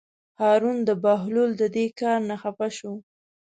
هارون د بهلول د دې کار نه خپه شو.